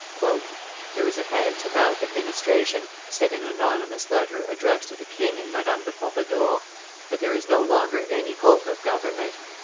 "There is a hand to mouth administration," said an anonymous letter addressed to the king and Madame de Pompadour, "but there is no longer any hope of government.